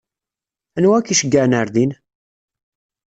Anwa i k-iceyyɛen ɣer din?